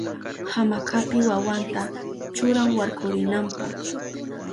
Hamakapi wawanta churan warkurinanpa.